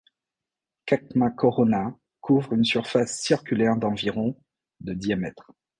Qakma Corona couvre une surface circulaire d'environ de diamètre.